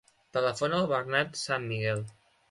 Telefona al Bernat San Miguel.